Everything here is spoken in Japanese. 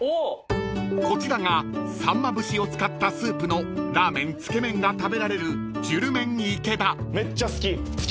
［こちらがさんま節を使ったスープのラーメンつけ麺が食べられる］